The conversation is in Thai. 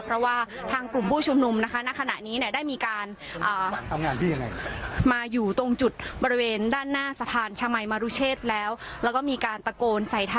เพราะว่าทางกลุ่มผู้ชมนุมนะคะณขณะนี้เนี่ยได้มีการอ่า